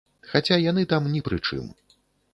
Хаця яны там ні пры чым.